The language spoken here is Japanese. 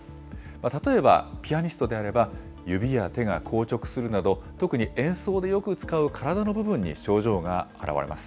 例えばピアニストであれば、指や手が硬直するなど、特に演奏でよく使う体の部分に症状が現れます。